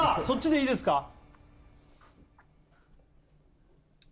そっちでいいですか？